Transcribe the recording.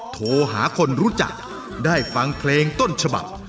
โทรหาคนรู้จักได้ฟังเพลงต้นฉบับ